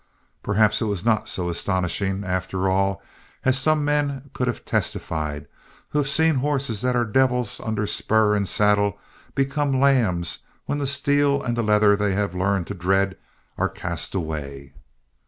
Perhaps it was not so astonishing, after all, as some men could have testified who have seen horses that are devils under spur and saddle become lambs when the steel and the leather they have learned to dread are cast away.